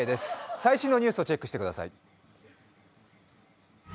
最新のニュースをチェックしてください。